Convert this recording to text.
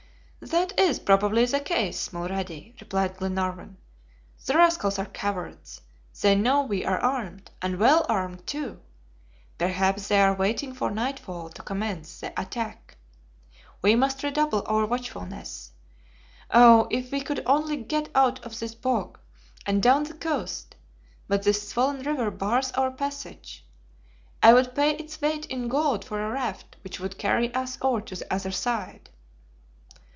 "That is probably the case, Mulrady," replied Glenarvan. "The rascals are cowards; they know we are armed, and well armed too. Perhaps they are waiting for nightfall to commence the attack. We must redouble our watchfulness. Oh, if we could only get out of this bog, and down the coast; but this swollen river bars our passage. I would pay its weight in gold for a raft which would carry us over to the other side."